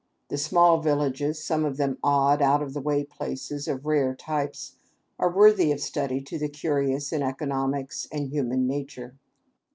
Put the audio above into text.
The small villages some of them odd, out of the way places, of rare types are worthy of study to the curious in economics and human nature.